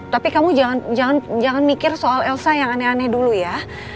tapi kamu jangan mikir soal elsa yang aneh aneh dulu ya